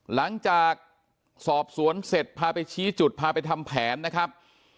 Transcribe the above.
หลังจากสอบสวนเสร็จพาไปชี้จุดพาไปทำแผนนะครับ